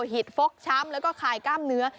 หิตฟกช้ำแล้วก็คายกล้ามเนื้อ